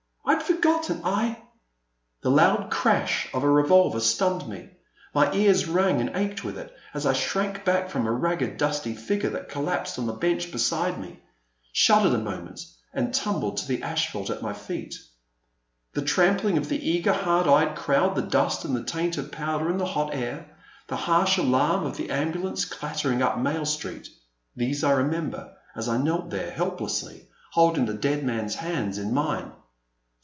I had forgotten — ^I The loud crash of a revolver stunned me ; tny ears rang and ached with it as I shrank back from a ragged dusty figure that collapsed on the bench beside me, shuddered a moment, and tumbled to the asphalt at my feet. The trampling of the eager hard eyed crowd, the dust and taint of powder in the hot air, the harsh alarm of the ambulance clattering up Mail Street, — these I remember, as I knelt there, help lessly holding the dead man's hands in qiine.